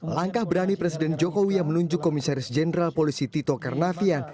langkah berani presiden jokowi yang menunjuk komisaris jenderal polisi tito karnavian